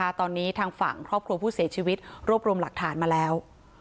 ตอนนี้ทางฝั่งครอบครัวผู้เสียชีวิตรวบรวมหลักฐานมาแล้ว